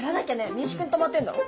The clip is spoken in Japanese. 民宿に泊まってんだろ？